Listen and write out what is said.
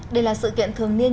đây là sự kiện thường niên